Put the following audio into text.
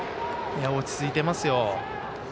落ち着いてますよ。